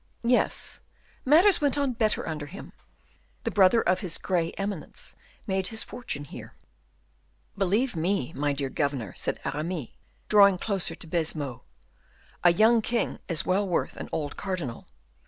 "Yes; matters went on better under him. The brother of his 'gray eminence' made his fortune here." "Believe me, my dear governor," said Aramis, drawing closer to Baisemeaux, "a young king is well worth an old cardinal.